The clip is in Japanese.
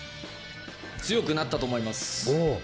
強くなったと思います。